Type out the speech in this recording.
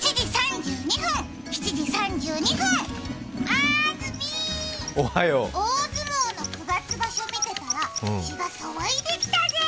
あーずみー、大相撲の九月場所見てたら血が騒いできたぜ。